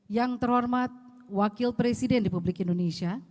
yang terhormat wakil presiden dpi